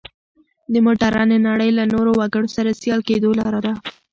د مډرنې نړۍ له نورو وګړو سره سیال کېدو لاره ده.